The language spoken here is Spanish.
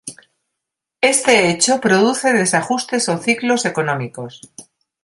Este hecho produce desajustes o ciclos económicos.